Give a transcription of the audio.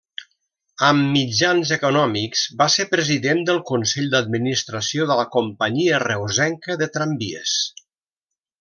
Amb mitjans econòmics, va ser president del consell d'administració de la Companyia Reusenca de Tramvies.